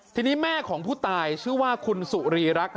ทีนี้แม่ของผู้ตายชื่อว่าคุณสุรีรักษ์